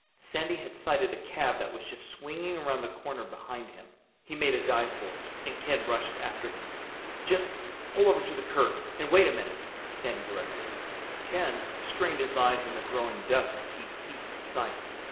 Sandy had sighted a cab that was just swinging around the corner behind him. He made a dive for it and Ken rushed after him. "Just pull over to the curb and wait a minute," Sandy directed. Ken strained his eyes in the growing dusk to keep Pete in sight.